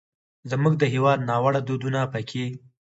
زموږ د هېواد ناوړه دودونه پکې